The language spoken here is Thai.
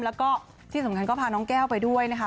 แล้วก็ที่สำคัญก็พาน้องแก้วไปด้วยนะคะ